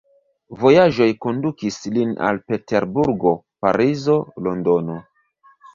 Vojaĝoj kondukis lin al Peterburgo, Parizo, Londono.